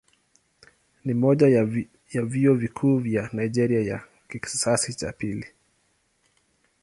Ni mmoja ya vyuo vikuu vya Nigeria vya kizazi cha pili.